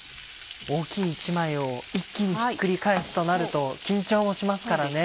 大きい１枚を一気にひっくり返すとなると緊張もしますからね。